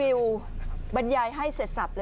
ยุทัลนะครับ